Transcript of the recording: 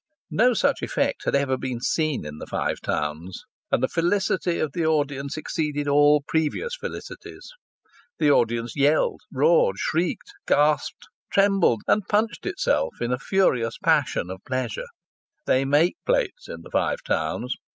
No such effect had ever been seen in the Five Towns, and the felicity of the audience exceeded all previous felicities. The audience yelled, roared, shrieked, gasped, trembled, and punched itself in a furious passion of pleasure. They make plates in the Five Towns.